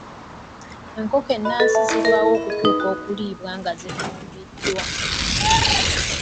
Enkoko ennansi zirwawo okutuuka okuliibwa nga zifumbiddwa.